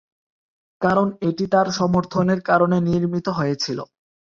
কারণ এটি তার সমর্থনের কারণে নির্মিত হয়েছিল।